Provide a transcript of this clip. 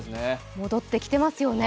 戻ってきてますよね。